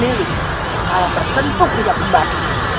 aku tidak percaya